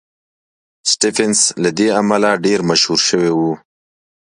سټېفنس له دې امله ډېر مشهور شوی و